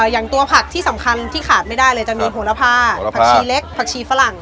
อย่างตัวผักที่สำคัญที่ขาดไม่ได้เลยจะมีโหระพาผักชีเล็กผักชีฝรั่ง